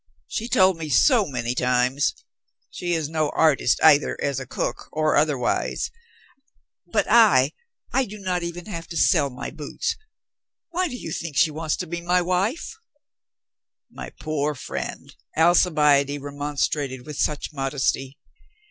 She told me so many times. She is no artist either as a cook or otherwise. But I — I 466 THE MASTER OF ALL 467 do not even have to sell my boots. Why do you think she wants to be my wife?" "My poor friend!" Alclbiade remonstrated with such modesty.